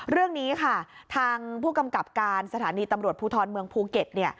เรื่องนี้ค่ะทางผู้กำกับการสถานีตำรวจภูทรเมืองภูเก็ต